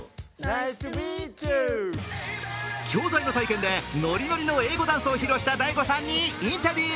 教材の体験でノリノリの英語ダンスを披露したＤＡＩＧＯさんにインタビュー。